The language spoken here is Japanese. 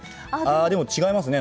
あでも違いますね。